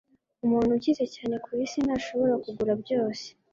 umuntu ukize cyane ku isi ntashobora kugura byose